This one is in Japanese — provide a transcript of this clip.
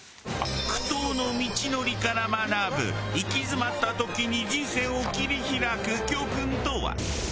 苦闘の道のりから学ぶ行き詰まった時に人生を切り開く教訓とは？